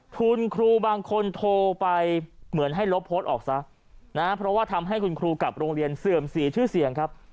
คุณครูบางคนโทรไปเหมือนให้ลบโพสต์ออกซะนะเพราะว่าทำให้คุณครูกับโรงเรียนเสื่อมเสียชื่อเสียงครับ